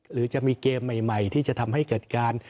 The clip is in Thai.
หรือจะมีเกมใหม่ที่จะทำให้เกิดการ